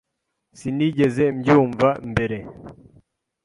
Sinigeze mbyumva mbere.